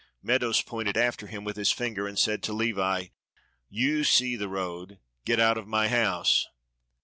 Meadows pointed after him with his finger and said to Levi, "You see the road get out of my house."